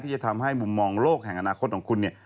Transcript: จะทำให้มุมมองโลกแห่งอนาคตของคุณเนี่ย